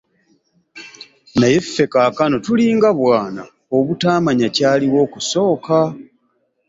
Naye ffe kaakano tulinga bwana, obutaamanya kyaliwo okusooka.